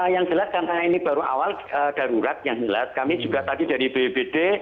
yang jelas karena ini baru awal darurat yang jelas kami juga tadi dari bpbd